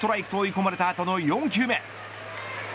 ２ストライクと追い込まれた後の４球目。